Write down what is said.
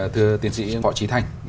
thưa tiến sĩ phọ trí thanh